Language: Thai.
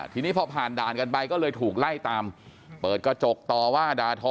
ทีนี้พอผ่านด่านกันไปก็เลยถูกไล่ตามเปิดกระจกต่อว่าด่าทอ